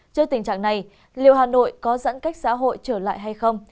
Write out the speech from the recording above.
trước tình trạng này liệu hà nội có giãn cách xã hội trở lại hay không